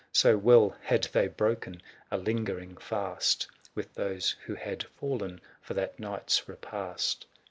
\/ So well had they broken a lingering fast ♦>"^, With those who had fallen for that night's repast.